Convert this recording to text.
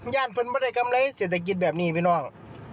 ย่านเพลินบ่ายกรรมน้อยเศรษฐกิจแบบนี้พี่น้อง